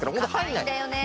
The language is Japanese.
硬いんだよね。